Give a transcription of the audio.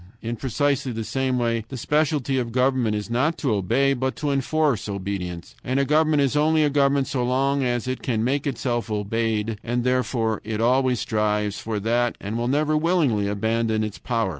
In precisely the same way the specialty of government is not to obey, but to enforce obedience. And a government is only a government so long as it can make itself obeyed, and therefore it always strives for that and will never willingly abandon its power.